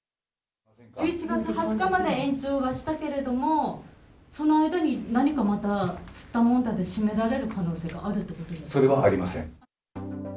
１１月２０日まで延長はしたけれども、その間に何かまたすったもんだで閉められる可能性があるってことそれはありません。